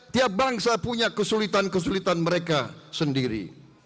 tiap bangsa punya kesulitan kesulitan mereka sendiri